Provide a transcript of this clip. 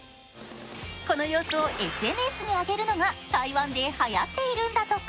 この様子をＳＮＳに上げるのが台湾ではやっているのだとか。